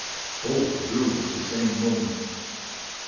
Both drew at the same moment.